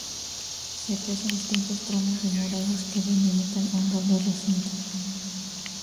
Se aprecian distintos tramos de murallas que delimitan un doble recinto.